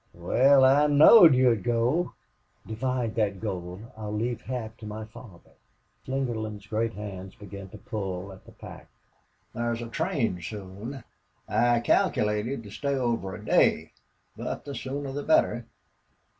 "Wal, I knowed you'd go." "Divide that gold. I'll leave half for my father." Slingerland's great hands began to pull at the pack. "Thar's a train soon. I calkilated to stay over a day. But the sooner the better....